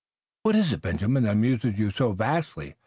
"What is it, Benjamin, that amuses you so vastly?"